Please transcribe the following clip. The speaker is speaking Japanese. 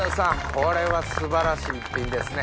これは素晴らしい一品ですね。